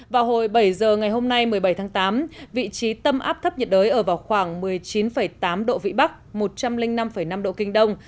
vào hồi bảy giờ ngày hôm nay một mươi bảy tháng tám vị trí tâm áp thấp nhiệt đới ở vào khoảng một mươi chín tám độ vĩ bắc một trăm linh năm năm độ kinh đông